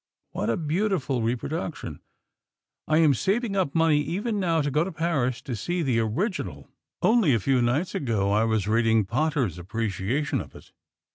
What a beautiful reproduction! I am saving up money even now to go to Paris to see the original. Only a few nights ago I was reading Pater's appreciation of it."